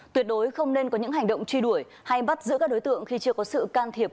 tuyệt đối không nên có những hành động truy đuổi hay bắt giữ các đối tượng khi chưa có sự can thiệp